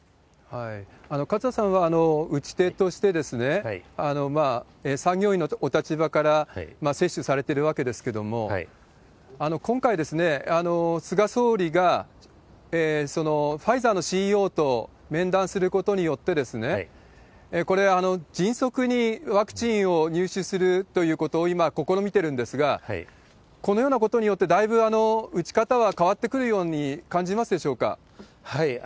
勝田さんは打ち手として、産業医のお立場から接種されてるわけですけれども、今回、菅総理がファイザーのＣＥＯと面談することによって、これ、迅速にワクチンを入手するということを、今試みてるんですが、このようなことによって、だいぶ打ち方は変わってくるように感じますでしょうか？